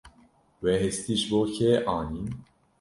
We hestî ji bo kê anîn?